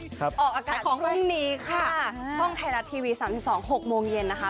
ออกอากาศวันทุ่งนี้ค่ะห้องไทยรัฐทีวี๓๒๖โมงเย็นนะคะ